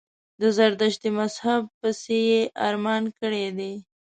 د زردشتي مذهب پسي یې ارمان کړی دی.